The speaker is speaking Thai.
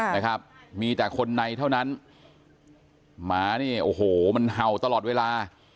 นะครับมีแต่คนในเท่านั้นหมาเนี่ยโอ้โหมันเห่าตลอดเวลา